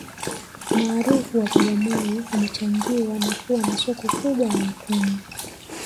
umaarufu wa bagamoyo umechangiwa na kuwa na soko kubwa la watumwa